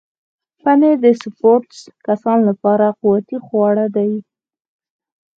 پنېر د سپورټس کسانو لپاره قوتي خواړه دي.